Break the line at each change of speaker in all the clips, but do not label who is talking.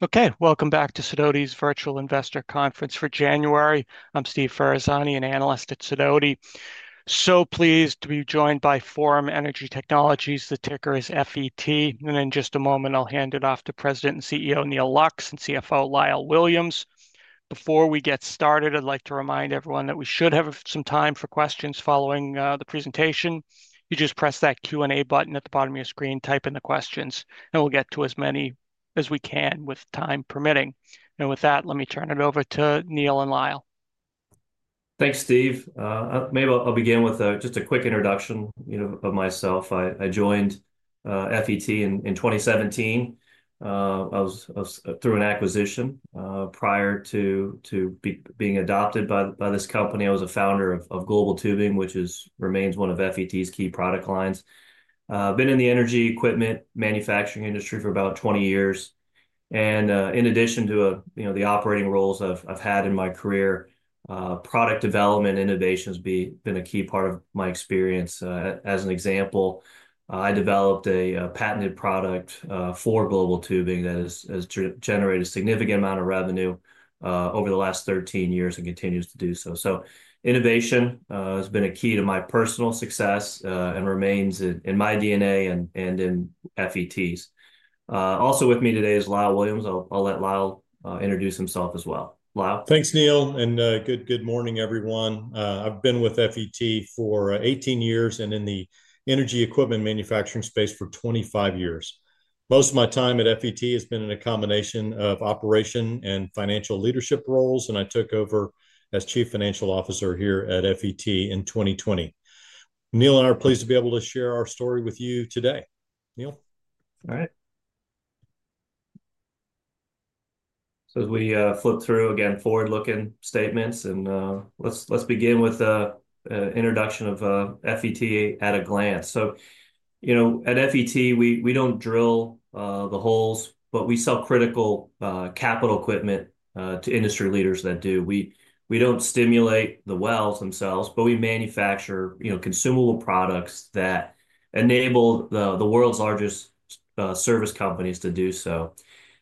Okay, welcome back to Sidoti's Virtual Investor Conference for January. I'm Steve Ferazani, an analyst at Sidoti. So pleased to be joined by Forum Energy Technologies. The ticker is FET. And in just a moment, I'll hand it off to President and CEO Neal Lux and CFO Lyle Williams. Before we get started, I'd like to remind everyone that we should have some time for questions following the presentation. You just press that Q&A button at the bottom of your screen, type in the questions, and we'll get to as many as we can with time permitting. And with that, let me turn it over to Neal and Lyle.
Thanks, Steve. Maybe I'll begin with just a quick introduction of myself. I joined FET in 2017. I was through an acquisition prior to being adopted by this company. I was a founder of Global Tubing, which remains one of FET's key product lines. I've been in the energy equipment manufacturing industry for about 20 years, and in addition to the operating roles I've had in my career, product development and innovation have been a key part of my experience. As an example, I developed a patented product for Global Tubing that has generated a significant amount of revenue over the last 13 years and continues to do so. So innovation has been a key to my personal success and remains in my DNA and in FET's. Also with me today is Lyle Williams. I'll let Lyle introduce himself as well. Lyle?
Thanks, Neal. And good morning, everyone. I've been with FET for 18 years and in the energy equipment manufacturing space for 25 years. Most of my time at FET has been in a combination of operation and financial leadership roles. And I took over as Chief Financial Officer here at FET in 2020. Neal and I are pleased to be able to share our story with you today. Neal?
All right. So as we flip through, again, forward-looking statements. And let's begin with an introduction of FET at a glance. So at FET, we don't drill the holes, but we sell critical capital equipment to industry leaders that do. We don't stimulate the wells themselves, but we manufacture consumable products that enable the world's largest service companies to do so.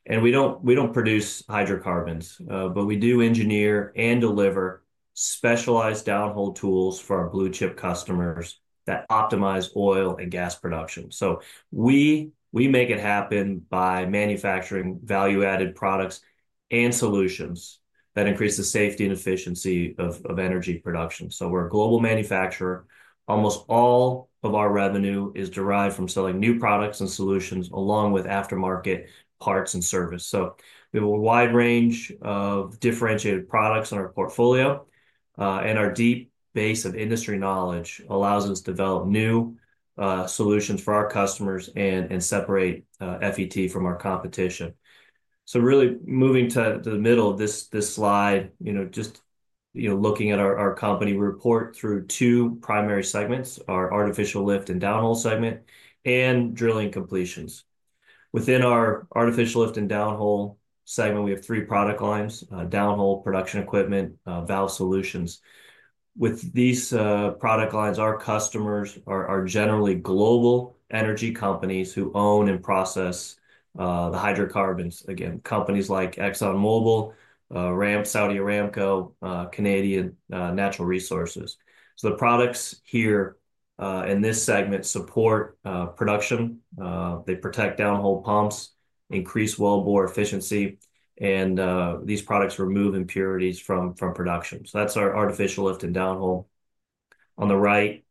And we don't produce hydrocarbons, but we do engineer and deliver specialized downhole tools for our blue chip customers that optimize oil and gas production. So we make it happen by manufacturing value-added products and solutions that increase the safety and efficiency of energy production. So we're a global manufacturer. Almost all of our revenue is derived from selling new products and solutions along with aftermarket parts and service. So we have a wide range of differentiated products in our portfolio. Our deep base of industry knowledge allows us to develop new solutions for our customers and separate FET from our competition. Really moving to the middle of this slide, just looking at our company, we report through two primary segments: our artificial lift and downhole segment and drilling completions. Within our artificial lift and downhole segment, we have three product lines: downhole production equipment, valve solutions. With these product lines, our customers are generally global energy companies who own and process the hydrocarbons. Again, companies like ExxonMobil, Saudi Aramco, Canadian Natural Resources. The products here in this segment support production. They protect downhole pumps, increase wellbore efficiency, and these products remove impurities from production. That's our artificial lift and downhole. On the right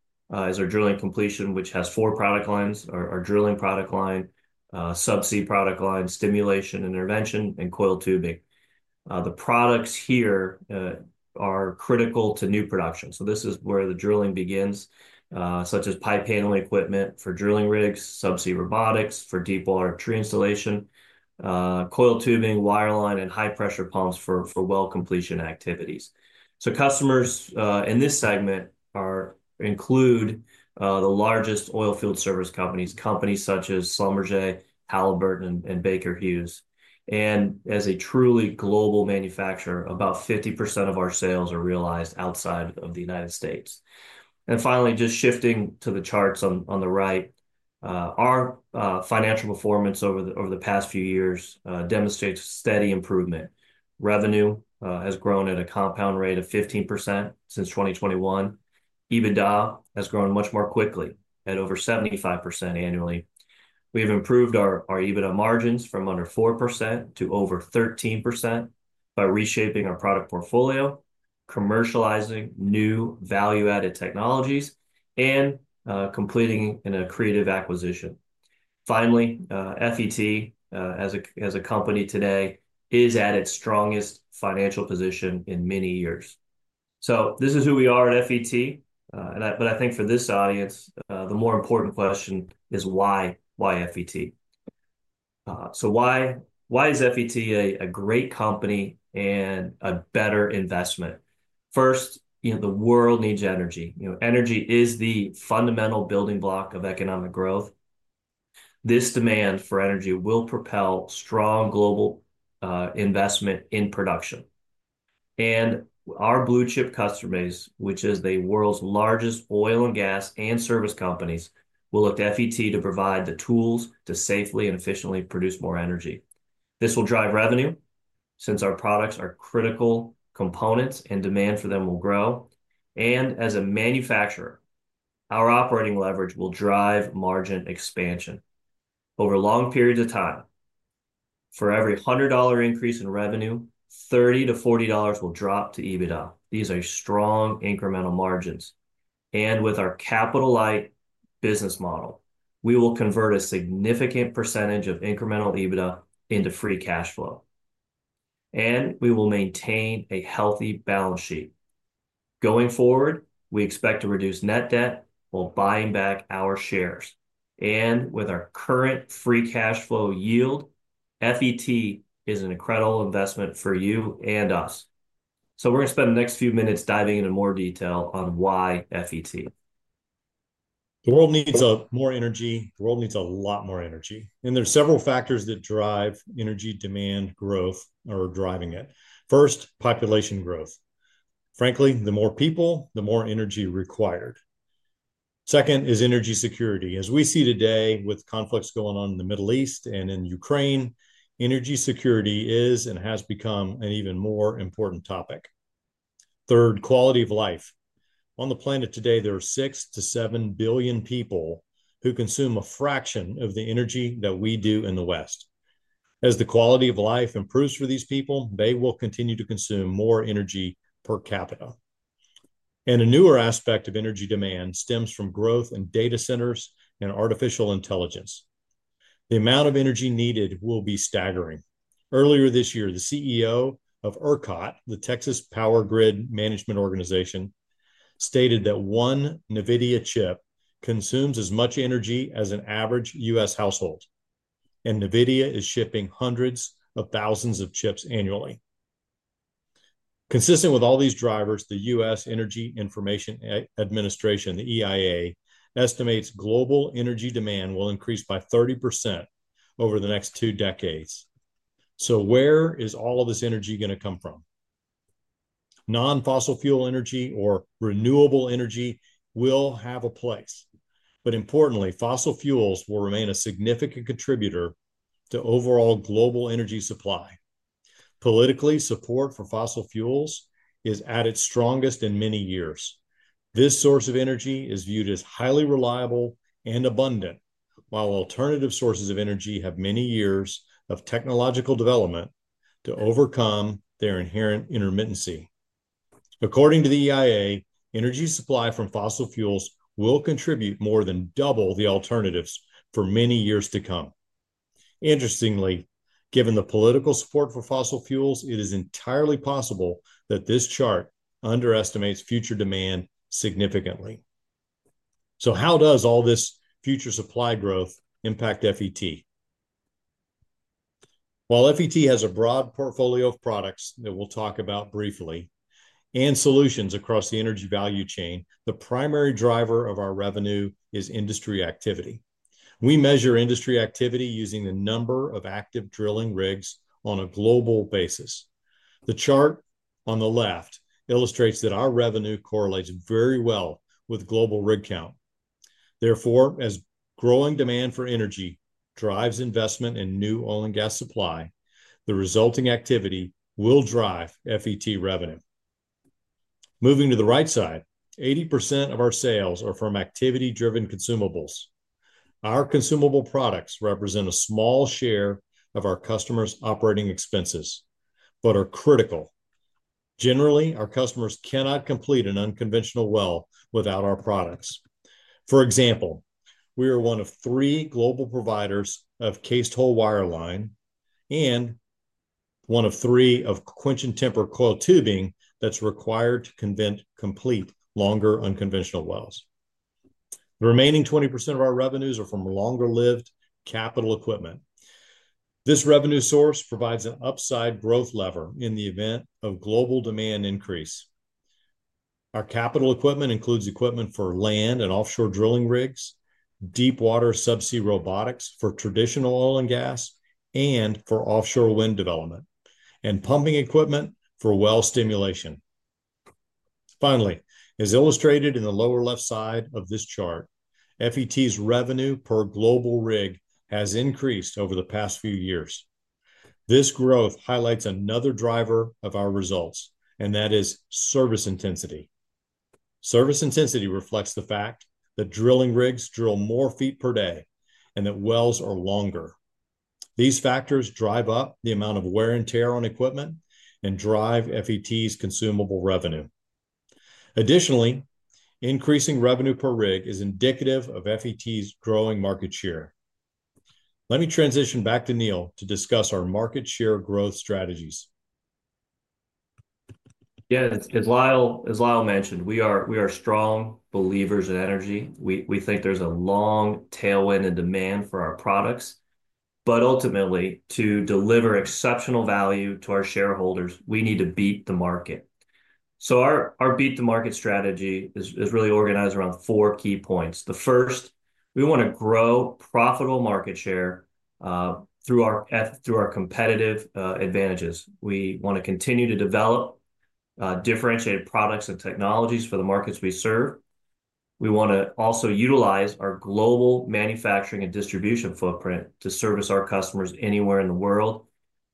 is our drilling completion, which has four product lines: our drilling product line, subsea product line, stimulation intervention, and coiled tubing. The products here are critical to new production, so this is where the drilling begins, such as pipe handling equipment for drilling rigs, subsea robotics for deep water tree installation, coiled tubing, wireline, and high-pressure pumps for well completion activities, so customers in this segment include the largest oil field service companies, companies such as SLB, Halliburton, and Baker Hughes. And as a truly global manufacturer, about 50% of our sales are realized outside of the United States, and finally, just shifting to the charts on the right, our financial performance over the past few years demonstrates steady improvement. Revenue has grown at a compound rate of 15% since 2021. EBITDA has grown much more quickly at over 75% annually. We have improved our EBITDA margins from under 4% to over 13% by reshaping our product portfolio, commercializing new value-added technologies, and completing in an accretive acquisition. Finally, FET, as a company today, is at its strongest financial position in many years. So this is who we are at FET. But I think for this audience, the more important question is why FET? So why is FET a great company and a better investment? First, the world needs energy. Energy is the fundamental building block of economic growth. This demand for energy will propel strong global investment in production. And our blue chip customers, which is the world's largest oil and gas and service companies, will look to FET to provide the tools to safely and efficiently produce more energy. This will drive revenue since our products are critical components and demand for them will grow. And as a manufacturer, our operating leverage will drive margin expansion. Over long periods of time, for every $100 increase in revenue, $30-$40 will drop to EBITDA. These are strong incremental margins. And with our capital-light business model, we will convert a significant percentage of incremental EBITDA into free cash flow. And we will maintain a healthy balance sheet. Going forward, we expect to reduce net debt while buying back our shares. And with our current free cash flow yield, FET is an incredible investment for you and us. So we're going to spend the next few minutes diving into more detail on why FET.
The world needs more energy. The world needs a lot more energy, and there are several factors that drive energy demand growth or driving it. First, population growth. Frankly, the more people, the more energy required. Second is energy security. As we see today with conflicts going on in the Middle East and in Ukraine, energy security is and has become an even more important topic. Third, quality of life. On the planet today, there are six to seven billion people who consume a fraction of the energy that we do in the West. As the quality of life improves for these people, they will continue to consume more energy per capita, and a newer aspect of energy demand stems from growth in data centers and artificial intelligence. The amount of energy needed will be staggering. Earlier this year, the CEO of ERCOT, the Texas Power Grid Management Organization, stated that one NVIDIA chip consumes as much energy as an average U.S. household. And NVIDIA is shipping hundreds of thousands of chips annually. Consistent with all these drivers, the U.S. Energy Information Administration, the EIA, estimates global energy demand will increase by 30% over the next two decades. So where is all of this energy going to come from? Non-fossil fuel energy or renewable energy will have a place. But importantly, fossil fuels will remain a significant contributor to overall global energy supply. Politically, support for fossil fuels is at its strongest in many years. This source of energy is viewed as highly reliable and abundant, while alternative sources of energy have many years of technological development to overcome their inherent intermittency. According to the EIA, energy supply from fossil fuels will contribute more than double the alternatives for many years to come. Interestingly, given the political support for fossil fuels, it is entirely possible that this chart underestimates future demand significantly. So how does all this future supply growth impact FET? While FET has a broad portfolio of products that we'll talk about briefly and solutions across the energy value chain, the primary driver of our revenue is industry activity. We measure industry activity using the number of active drilling rigs on a global basis. The chart on the left illustrates that our revenue correlates very well with global rig count. Therefore, as growing demand for energy drives investment in new oil and gas supply, the resulting activity will drive FET revenue. Moving to the right side, 80% of our sales are from activity-driven consumables. Our consumable products represent a small share of our customers' operating expenses but are critical. Generally, our customers cannot complete an unconventional well without our products. For example, we are one of three global providers of cased hole wireline and one of three of quench and temper coiled tubing that's required to complete longer unconventional wells. The remaining 20% of our revenues are from longer-lived capital equipment. This revenue source provides an upside growth lever in the event of global demand increase. Our capital equipment includes equipment for land and offshore drilling rigs, deep water subsea robotics for traditional oil and gas, and for offshore wind development, and pumping equipment for well stimulation. Finally, as illustrated in the lower left side of this chart, FET's revenue per global rig has increased over the past few years. This growth highlights another driver of our results, and that is service intensity. Service intensity reflects the fact that drilling rigs drill more feet per day and that wells are longer. These factors drive up the amount of wear and tear on equipment and drive FET's consumable revenue. Additionally, increasing revenue per rig is indicative of FET's growing market share. Let me transition back to Neal to discuss our market share growth strategies.
Yeah, as Lyle mentioned, we are strong believers in energy. We think there's a long tailwind and demand for our products. But ultimately, to deliver exceptional value to our shareholders, we need to beat the market. So our beat the market strategy is really organized around four key points. The first, we want to grow profitable market share through our competitive advantages. We want to continue to develop differentiated products and technologies for the markets we serve. We want to also utilize our global manufacturing and distribution footprint to service our customers anywhere in the world.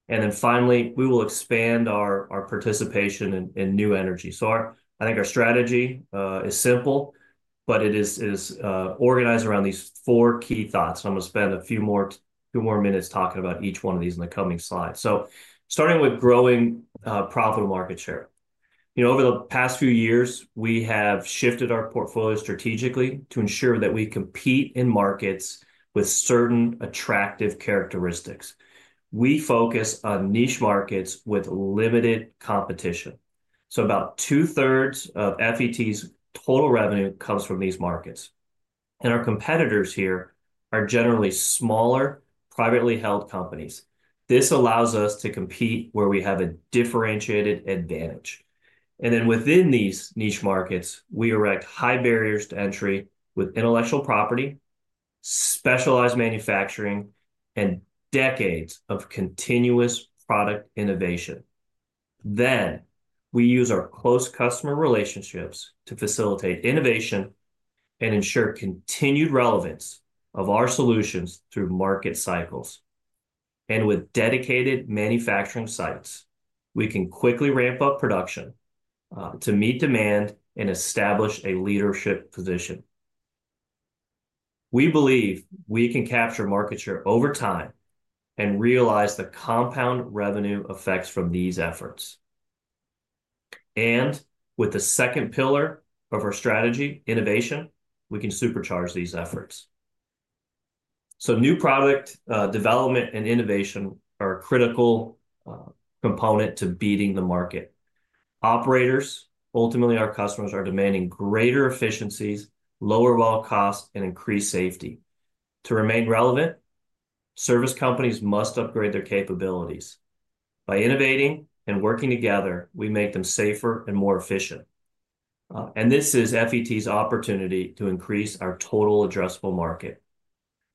And then finally, we will expand our participation in new energy. So I think our strategy is simple, but it is organized around these four key thoughts. And I'm going to spend a few more minutes talking about each one of these in the coming slides. So starting with growing profitable market share. Over the past few years, we have shifted our portfolio strategically to ensure that we compete in markets with certain attractive characteristics. We focus on niche markets with limited competition. So about two-thirds of FET's total revenue comes from these markets. And our competitors here are generally smaller, privately held companies. This allows us to compete where we have a differentiated advantage. And then within these niche markets, we erect high barriers to entry with intellectual property, specialized manufacturing, and decades of continuous product innovation. Then we use our close customer relationships to facilitate innovation and ensure continued relevance of our solutions through market cycles. And with dedicated manufacturing sites, we can quickly ramp up production to meet demand and establish a leadership position. We believe we can capture market share over time and realize the compound revenue effects from these efforts. With the second pillar of our strategy, innovation, we can supercharge these efforts. New product development and innovation are a critical component to beating the market. Operators, ultimately our customers, are demanding greater efficiencies, lower well costs, and increased safety. To remain relevant, service companies must upgrade their capabilities. By innovating and working together, we make them safer and more efficient. This is FET's opportunity to increase our total addressable market.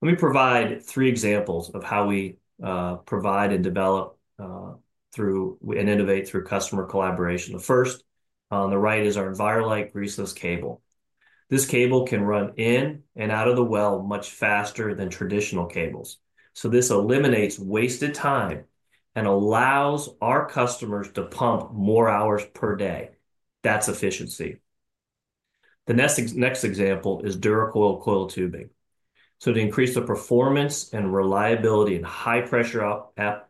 Let me provide three examples of how we provide and develop and innovate through customer collaboration. The first on the right is our Enviro-Lite greaseless cable. This cable can run in and out of the well much faster than traditional cables. This eliminates wasted time and allows our customers to pump more hours per day. That's efficiency. The next example is DuraCoil coiled tubing. To increase the performance and reliability in high-pressure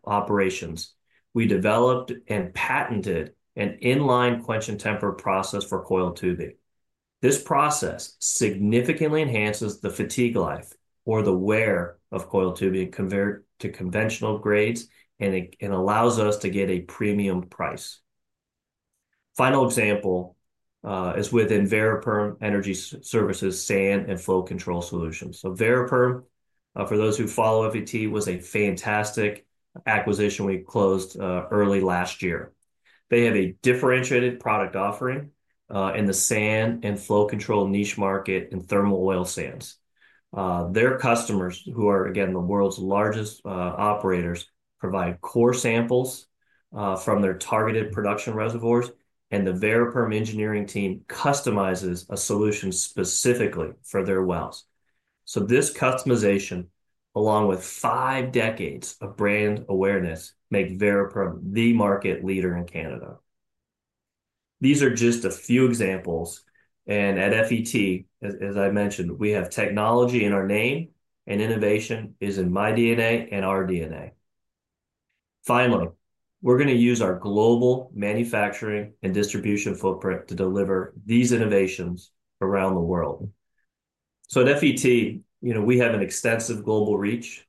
operations, we developed and patented an inline quench and temper process for coiled tubing. This process significantly enhances the fatigue life or the wear of coiled tubing compared to conventional grades and allows us to get a premium price. Final example is with Variperm Energy Services sand and flow control solutions. So Variperm, for those who follow FET, was a fantastic acquisition we closed early last year. They have a differentiated product offering in the sand and flow control niche market in thermal oil sands. Their customers, who are, again, the world's largest operators, provide core samples from their targeted production reservoirs, and the Variperm engineering team customizes a solution specifically for their wells. So this customization, along with five decades of brand awareness, makes Variperm the market leader in Canada. These are just a few examples. At FET, as I mentioned, we have technology in our name, and innovation is in my DNA and our DNA. Finally, we're going to use our global manufacturing and distribution footprint to deliver these innovations around the world. At FET, we have an extensive global reach.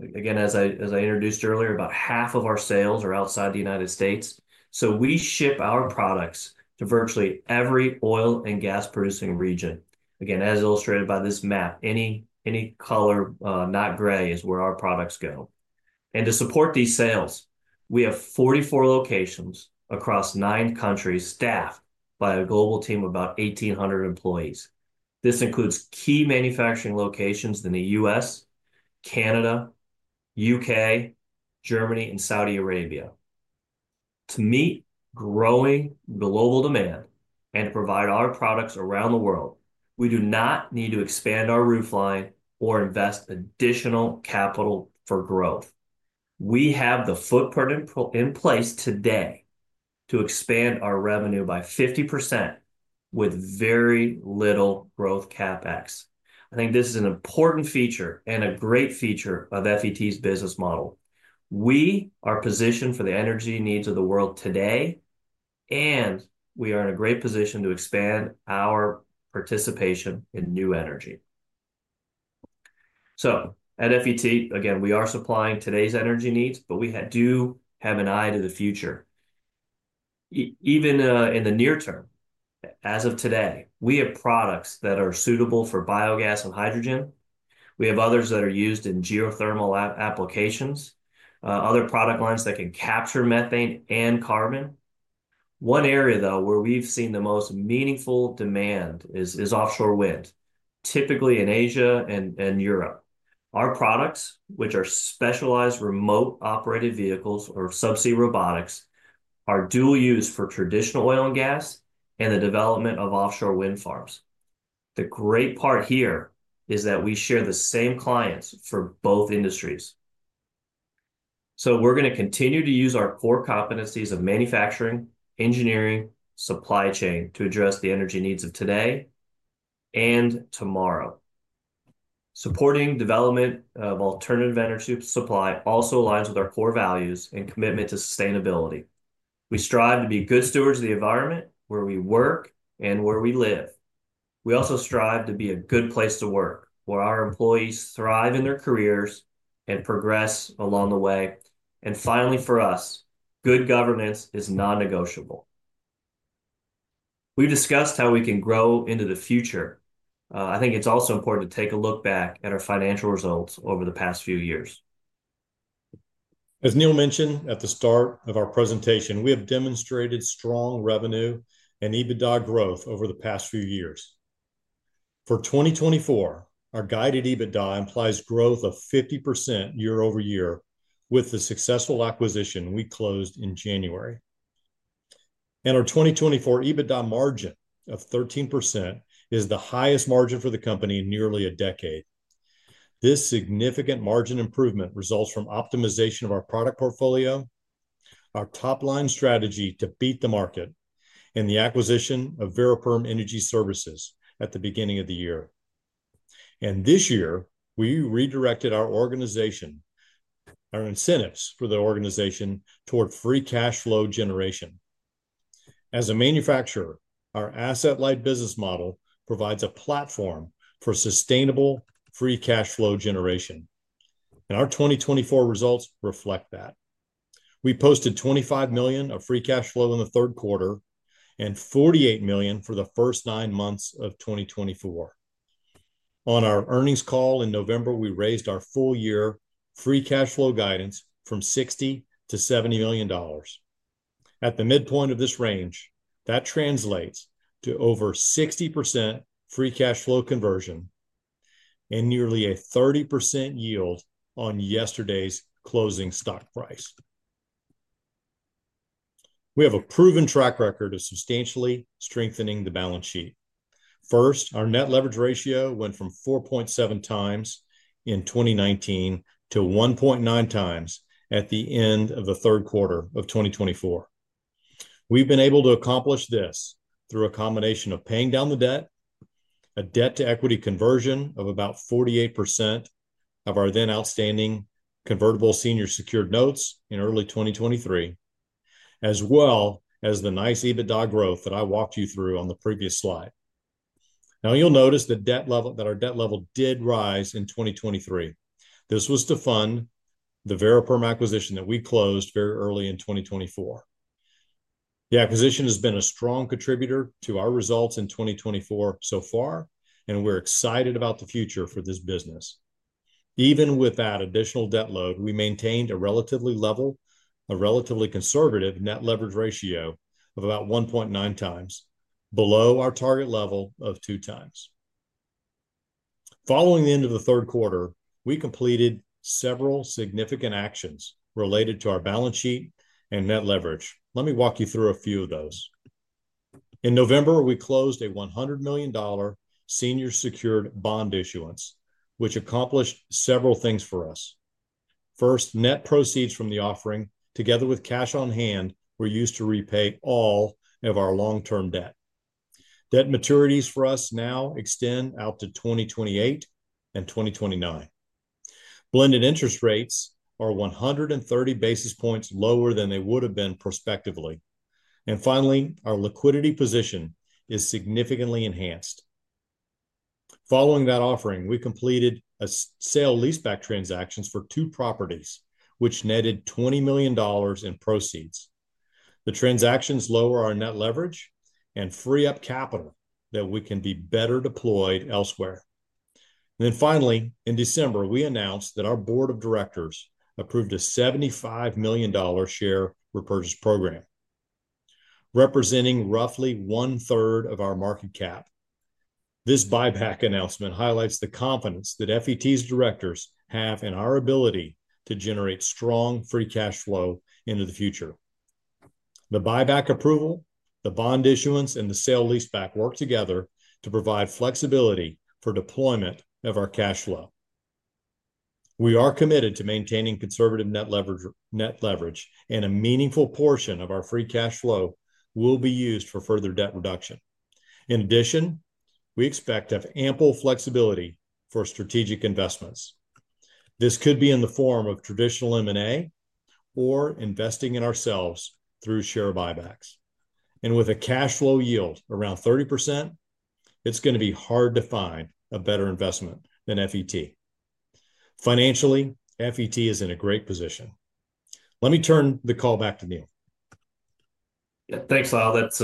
Again, as I introduced earlier, about half of our sales are outside the United States. We ship our products to virtually every oil and gas producing region. Again, as illustrated by this map, any color not gray is where our products go. To support these sales, we have 44 locations across nine countries staffed by a global team of about 1,800 employees. This includes key manufacturing locations in the U.S., Canada, U.K., Germany, and Saudi Arabia. To meet growing global demand and to provide our products around the world, we do not need to expand our footprint or invest additional capital for growth. We have the footprint in place today to expand our revenue by 50% with very little growth CapEx. I think this is an important feature and a great feature of FET's business model. We are positioned for the energy needs of the world today, and we are in a great position to expand our participation in new energy. So at FET, again, we are supplying today's energy needs, but we do have an eye to the future. Even in the near term, as of today, we have products that are suitable for biogas and hydrogen. We have others that are used in geothermal applications, other product lines that can capture methane and carbon. One area, though, where we've seen the most meaningful demand is offshore wind, typically in Asia and Europe. Our products, which are specialized remotely operated vehicles or subsea robotics, are dual use for traditional oil and gas and the development of offshore wind farms. The great part here is that we share the same clients for both industries. So we're going to continue to use our core competencies of manufacturing, engineering, and supply chain to address the energy needs of today and tomorrow. Supporting development of alternative energy supply also aligns with our core values and commitment to sustainability. We strive to be good stewards of the environment where we work and where we live. We also strive to be a good place to work where our employees thrive in their careers and progress along the way. And finally, for us, good governance is non-negotiable. We've discussed how we can grow into the future. I think it's also important to take a look back at our financial results over the past few years.
As Neal mentioned at the start of our presentation, we have demonstrated strong revenue and EBITDA growth over the past few years. For 2024, our guided EBITDA implies growth of 50% year over year with the successful acquisition we closed in January. And our 2024 EBITDA margin of 13% is the highest margin for the company in nearly a decade. This significant margin improvement results from optimization of our product portfolio, our top-line strategy to beat the market, and the acquisition of Variperm Energy Services at the beginning of the year. And this year, we redirected our organization, our incentives for the organization toward free cash flow generation. As a manufacturer, our asset-light business model provides a platform for sustainable free cash flow generation. And our 2024 results reflect that. We posted $25 million of free cash flow in the third quarter and $48 million for the first nine months of 2024. On our earnings call in November, we raised our full-year free cash flow guidance from $60-$70 million. At the midpoint of this range, that translates to over 60% free cash flow conversion and nearly a 30% yield on yesterday's closing stock price. We have a proven track record of substantially strengthening the balance sheet. First, our net leverage ratio went from 4.7 times in 2019 to 1.9 times at the end of the third quarter of 2024. We've been able to accomplish this through a combination of paying down the debt, a debt-to-equity conversion of about 48% of our then outstanding convertible senior secured notes in early 2023, as well as the nice EBITDA growth that I walked you through on the previous slide. Now, you'll notice that our debt level did rise in 2023. This was to fund the Variperm acquisition that we closed very early in 2024. The acquisition has been a strong contributor to our results in 2024 so far, and we're excited about the future for this business. Even with that additional debt load, we maintained a relatively conservative net leverage ratio of about 1.9 times below our target level of 2 times. Following the end of the third quarter, we completed several significant actions related to our balance sheet and net leverage. Let me walk you through a few of those. In November, we closed a $100 million senior secured bond issuance, which accomplished several things for us. First, net proceeds from the offering, together with cash on hand, were used to repay all of our long-term debt. Debt maturities for us now extend out to 2028 and 2029. Blended interest rates are 130 basis points lower than they would have been prospectively. And finally, our liquidity position is significantly enhanced. Following that offering, we completed sale leaseback transactions for two properties, which netted $20 million in proceeds. The transactions lower our net leverage and free up capital that we can be better deployed elsewhere. And then finally, in December, we announced that our board of directors approved a $75 million share repurchase program, representing roughly one-third of our market cap. This buyback announcement highlights the confidence that FET's directors have in our ability to generate strong free cash flow into the future. The buyback approval, the bond issuance, and the sale leaseback work together to provide flexibility for deployment of our cash flow. We are committed to maintaining conservative net leverage, and a meaningful portion of our free cash flow will be used for further debt reduction. In addition, we expect to have ample flexibility for strategic investments. This could be in the form of traditional M&A or investing in ourselves through share buybacks. And with a cash flow yield around 30%, it's going to be hard to find a better investment than FET. Financially, FET is in a great position. Let me turn the call back to Neal.
Yeah, thanks, Lyle. That's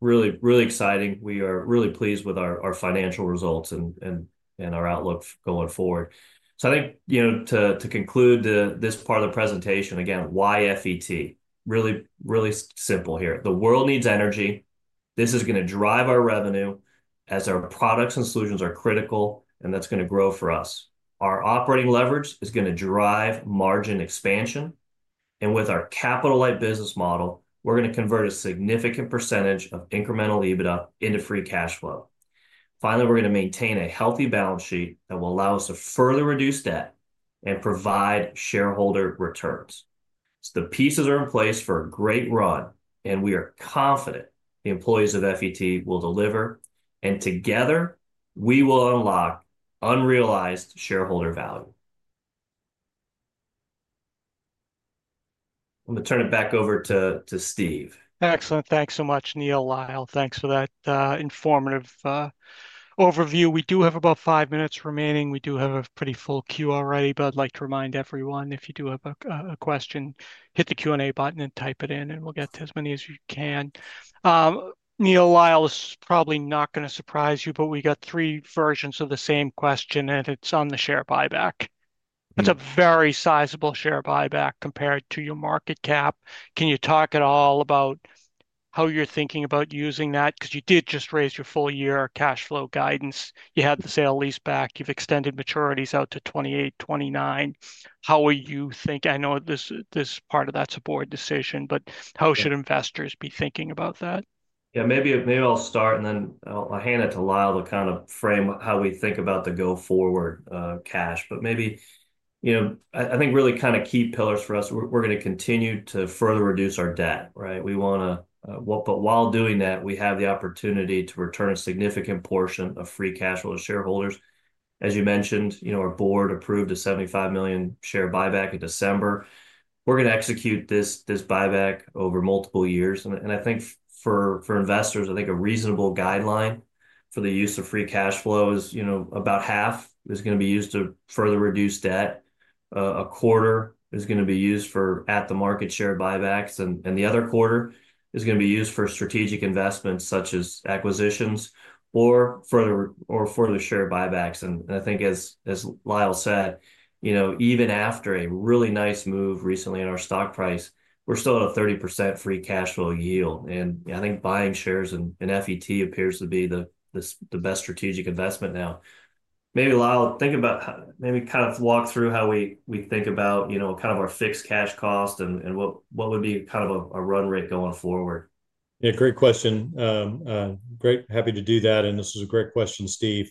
really, really exciting. We are really pleased with our financial results and our outlook going forward. So I think to conclude this part of the presentation, again, why FET? Really, really simple here. The world needs energy. This is going to drive our revenue as our products and solutions are critical, and that's going to grow for us. Our operating leverage is going to drive margin expansion. And with our capital-light business model, we're going to convert a significant percentage of incremental EBITDA into free cash flow. Finally, we're going to maintain a healthy balance sheet that will allow us to further reduce debt and provide shareholder returns. So the pieces are in place for a great run, and we are confident the employees of FET will deliver, and together, we will unlock unrealized shareholder value. I'm going to turn it back over to Steve.
Excellent. Thanks so much, Neal, Lyle. Thanks for that informative overview. We do have about five minutes remaining. We do have a pretty full queue already, but I'd like to remind everyone, if you do have a question, hit the Q&A button and type it in, and we'll get to as many as you can. Neal, Lyle, it's probably not going to surprise you, but we got three versions of the same question, and it's on the share buyback. It's a very sizable share buyback compared to your market cap. Can you talk at all about how you're thinking about using that? Because you did just raise your full-year cash flow guidance. You had the sale leaseback. You've extended maturities out to 2028, 2029. How will you think? I know this part of that's a board decision, but how should investors be thinking about that?
Yeah, maybe I'll start, and then I'll hand it to Lyle to kind of frame how we think about the go-forward cash. But maybe I think really kind of key pillars for us, we're going to continue to further reduce our debt, right? But while doing that, we have the opportunity to return a significant portion of free cash flow to shareholders. As you mentioned, our board approved a $75 million share buyback in December. We're going to execute this buyback over multiple years. And I think for investors, I think a reasonable guideline for the use of free cash flow is about half is going to be used to further reduce debt. A quarter is going to be used for at-the-market share buybacks, and the other quarter is going to be used for strategic investments such as acquisitions or further share buybacks. I think, as Lyle said, even after a really nice move recently in our stock price, we're still at a 30% free cash flow yield. I think buying shares in FET appears to be the best strategic investment now. Maybe, Lyle, think about maybe kind of walk through how we think about kind of our fixed cash cost and what would be kind of a run rate going forward.
Yeah, great question. Great. Happy to do that, and this is a great question, Steve.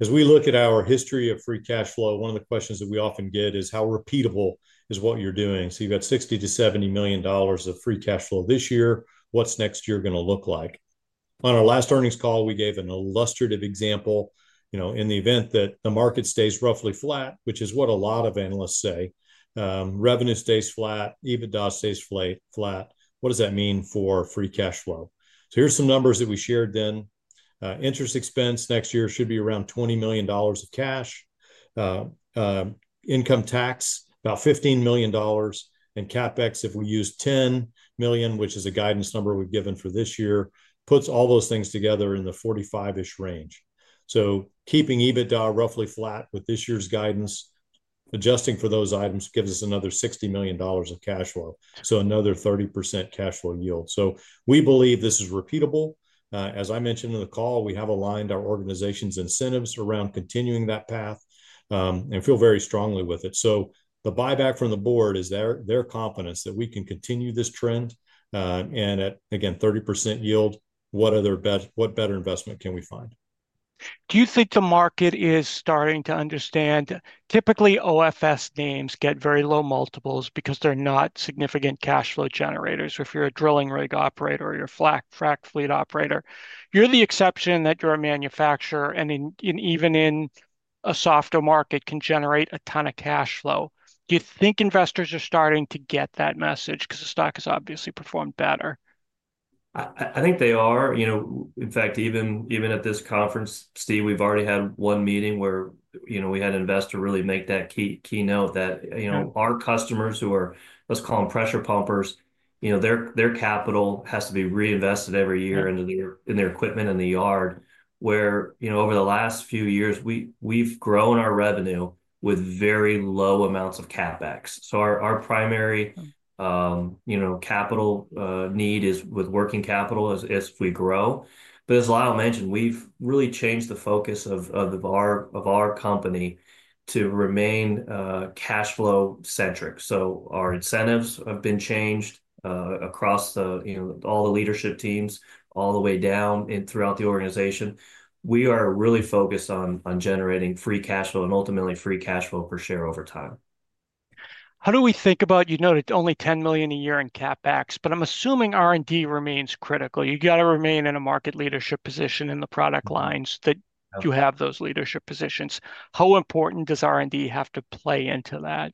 As we look at our history of free cash flow, one of the questions that we often get is how repeatable is what you're doing. So you've got $60-$70 million of free cash flow this year. What's next year going to look like? On our last earnings call, we gave an illustrative example. In the event that the market stays roughly flat, which is what a lot of analysts say, revenue stays flat, EBITDA stays flat, what does that mean for free cash flow? So here's some numbers that we shared then. Interest expense next year should be around $20 million of cash. Income tax, about $15 million. CapEx, if we use $10 million, which is a guidance number we've given for this year, puts all those things together in the 45-ish range. Keeping EBITDA roughly flat with this year's guidance, adjusting for those items gives us another $60 million of cash flow. Another 30% cash flow yield. We believe this is repeatable. As I mentioned in the call, we have aligned our organization's incentives around continuing that path and feel very strongly with it. The buyback from the board is their confidence that we can continue this trend. At, again, 30% yield, what better investment can we find?
Do you think the market is starting to understand? Typically, OFS names get very low multiples because they're not significant cash flow generators. If you're a drilling rig operator or you're a frac fleet operator, you're the exception that you're a manufacturer. And even in a softer market, can generate a ton of cash flow. Do you think investors are starting to get that message because the stock has obviously performed better?
I think they are. In fact, even at this conference, Steve, we've already had one meeting where we had an investor really make that key note that our customers who are, let's call them pressure pumpers, their capital has to be reinvested every year in their equipment and the yard, where over the last few years, we've grown our revenue with very low amounts of CapEx. So our primary capital need is with working capital as we grow. But as Lyle mentioned, we've really changed the focus of our company to remain cash flow centric. So our incentives have been changed across all the leadership teams, all the way down and throughout the organization. We are really focused on generating free cash flow and ultimately free cash flow per share over time.
How do we think about you noted only $10 million a year in CapEx, but I'm assuming R&D remains critical. You got to remain in a market leadership position in the product lines that you have those leadership positions. How important does R&D have to play into that?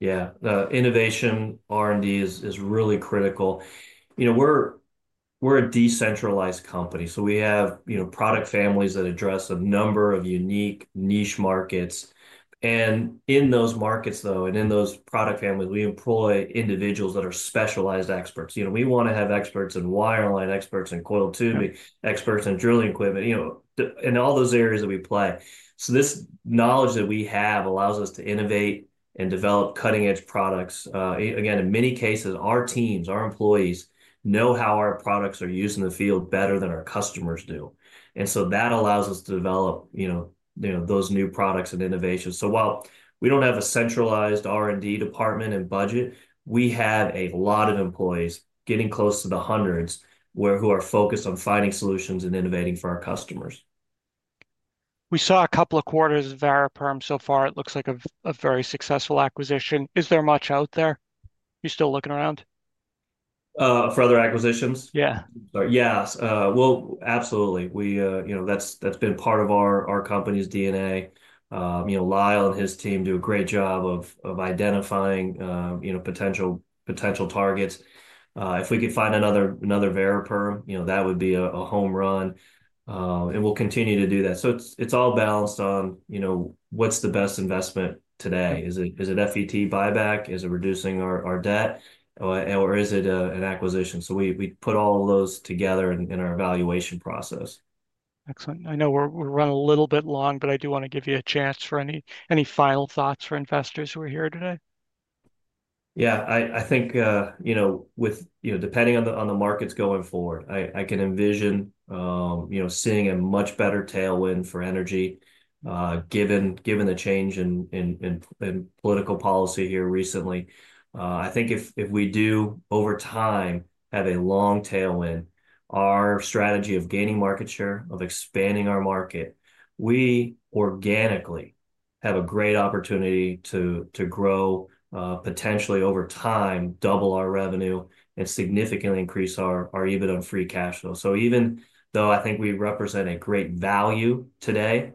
Yeah. Innovation, R&D is really critical. We're a decentralized company. So we have product families that address a number of unique niche markets, and in those markets, though, and in those product families, we employ individuals that are specialized experts. We want to have experts in wireline, coil tubing experts, and drilling equipment and all those areas that we play. So this knowledge that we have allows us to innovate and develop cutting-edge products. Again, in many cases, our teams, our employees know how our products are used in the field better than our customers do, and so that allows us to develop those new products and innovations, so while we don't have a centralized R&D department and budget, we have a lot of employees getting close to the hundreds who are focused on finding solutions and innovating for our customers.
We saw a couple of quarters of Variperm so far. It looks like a very successful acquisition. Is there much out there? You're still looking around?
For other acquisitions?
Yeah.
Yes. Well, absolutely. That's been part of our company's DNA. Lyle and his team do a great job of identifying potential targets. If we could find another Variperm, that would be a home run. And we'll continue to do that. So it's all balanced on what's the best investment today? Is it FET buyback? Is it reducing our debt? Or is it an acquisition? So we put all of those together in our evaluation process.
Excellent. I know we're running a little bit long, but I do want to give you a chance for any final thoughts for investors who are here today.
Yeah. I think depending on the markets going forward, I can envision seeing a much better tailwind for energy given the change in political policy here recently. I think if we do, over time, have a long tailwind, our strategy of gaining market share, of expanding our market, we organically have a great opportunity to grow, potentially over time, double our revenue and significantly increase our EBITDA and free cash flow. So even though I think we represent a great value today,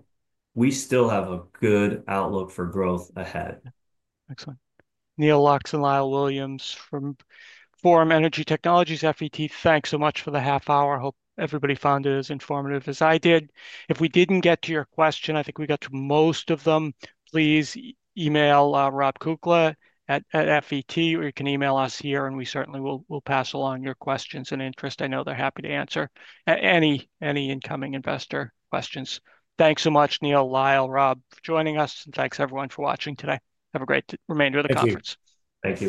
we still have a good outlook for growth ahead.
Excellent. Neal Lux and Lyle Williams from Forum Energy Technologies, FET, thanks so much for the half hour. Hope everybody found it as informative as I did. If we didn't get to your question, I think we got to most of them. Please email Rob Kukla at FET, or you can email us here, and we certainly will pass along your questions and interest. I know they're happy to answer any incoming investor questions. Thanks so much, Neal, Lyle, Rob, for joining us. And thanks everyone for watching today. Have a great remainder of the conference.
Thank you.